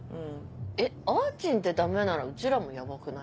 えっあーちんでダメならうちらもヤバくない？